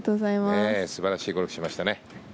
素晴らしいゴルフをしましたね。